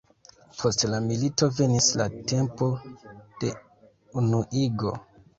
Post la milito venis la tempo de unuigo.